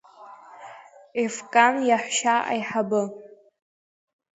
Ефкан иаҳәшьа аиҳабы…